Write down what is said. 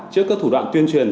trước các thủ đoạn tuyên truyền